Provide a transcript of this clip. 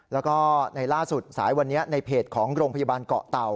แล้วก็ในล่าสุดสายวันนี้ในเพจของโรงพยาบาลเกาะเต่า